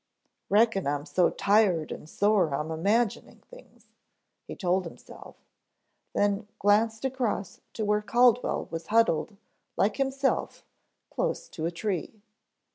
"Reckon I'm so tired and sore I'm imagining things," he told himself, then glanced across to where Caldwell was huddled like himself close to a tree.